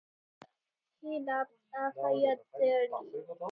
He loved a fire dearly.